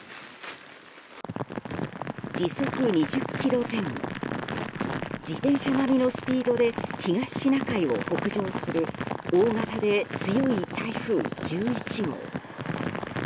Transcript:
時速２０キロ前後自転車並みのスピードで東シナ海を北上する大型で強い台風１１号。